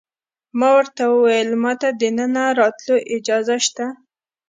ما ورته وویل: ما ته د دننه راتلو اجازه شته؟